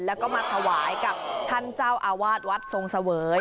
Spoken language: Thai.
แล้วก็มาถวายกับท่านเจ้าอาวาสวัดทรงเสวย